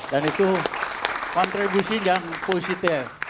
dan itu kontribusi yang positif